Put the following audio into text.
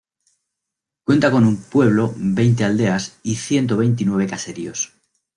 Cuenta con un pueblo, veinte aldeas y ciento veintinueve caseríos.